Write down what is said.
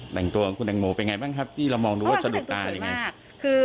แต่งตัวของคุณแตงโมเป็นไงบ้างครับที่เรามองดูว่าสะดุดตายังไง